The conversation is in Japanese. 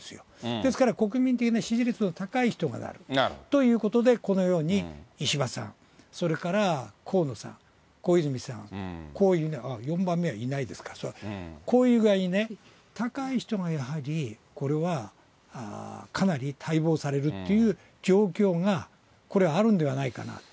ですから国民的な支持率の高い人がなるということで、このように石破さん、それから河野さん、小泉さん、こういう、あっ、４番目はいないですか、こういう具合にね、高い人がやはり、これはかなり待望されるっていう状況が、これあるんではないかなと。